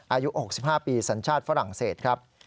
อายุ๖๕ปีสัญชาติฝรั่งเศสครับ